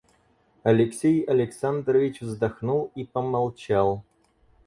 Алексей Александрович вздохнул и помолчал.